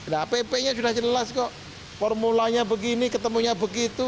nah pp nya sudah jelas kok formulanya begini ketemunya begitu